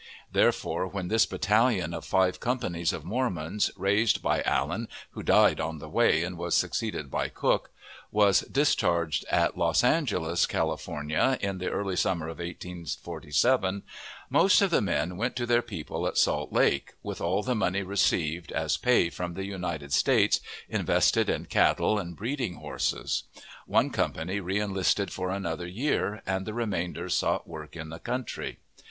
Therefore, when this battalion of five companies of Mormons (raised by Allen, who died on the way, and was succeeded by Cooke) was discharged at Los Angeles, California, in the early summer of 1847, most of the men went to their people at Salt Lake, with all the money received, as pay from the United States, invested in cattle and breeding horses; one company reenlisted for another year, and the remainder sought work in the country.